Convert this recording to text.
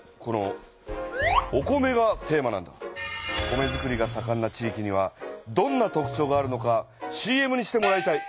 「米づくりがさかんな地域」にはどんな特ちょうがあるのかＣＭにしてもらいたい。